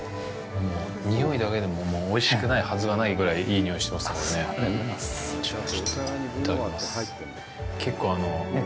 もう匂いだけでも、おいしくないはずがないぐらい、いい匂いがしてますもんね。